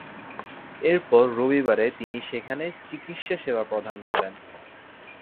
এরপর, রবিবারে তিনি সেখানে চিকিৎসা সেবা প্রদান করেন।